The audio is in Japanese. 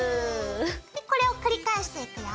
これを繰り返していくよ。